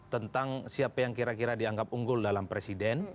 tentang siapa yang kira kira dianggap unggul dalam presiden